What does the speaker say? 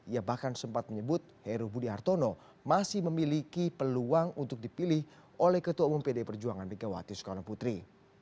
ia bahkan sempat menyebut heru budi hartono masih memiliki peluang untuk dipilih oleh ketua umum pd perjuangan megawati soekarno putri